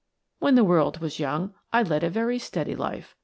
" When the world was young I led a very steady life.